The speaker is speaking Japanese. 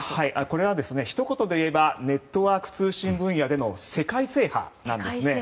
これはひと言でいえばネットワーク通信分野での世界制覇なんですね。